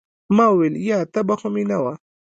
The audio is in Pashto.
ما وويل يه تبه خو مې نه وه.